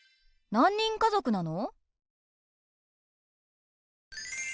何人家族なの？